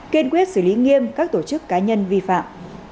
kiên quyết xử lý nghiêm các tổ chức cá nhân vi phạm